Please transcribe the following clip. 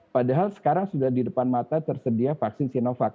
padahal sekarang sudah di depan mata tersedia vaksin sinovac